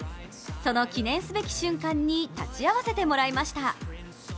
その記念すべき瞬間に立ち会わせてもらいました。